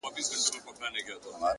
د لېوني د ژوند سُر پر یو تال نه راځي’